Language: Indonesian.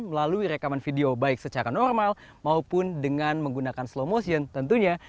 melalui rekaman video baik secara normal maupun dengan menggunakan slow motion tentunya